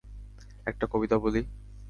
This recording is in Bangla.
একটা কবিতা বলি?